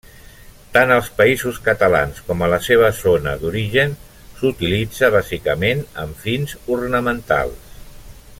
Tant als països catalans com a la seva zona d'origen s'utilitza, bàsicament, amb fins ornamentals.